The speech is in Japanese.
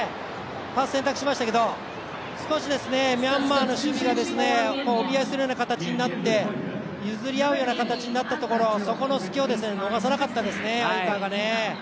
パス選択しましたが少しミャンマーの守備がお見合いするような形になって、譲り合うような形になったところそこの隙を逃さなかったですね鮎川がね。